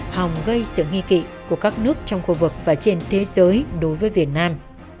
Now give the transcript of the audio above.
hòng gây sự nghi kỵ của các nước trong khu vực và trên thế giới đối với việt nam